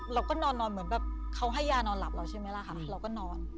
เราก็นอนเหมือนแบบเขาให้ยานอนหลับเราใช่ไหมล่ะค่ะเราก็นอน